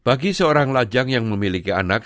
bagi seorang lajang yang memiliki anak